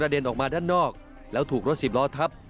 เด็นออกมาด้านนอกแล้วถูกรถสิบล้อทับ